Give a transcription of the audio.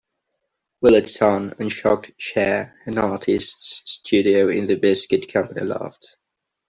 Willardson and Shocked share an artist's studio in the Biscuit Company Lofts.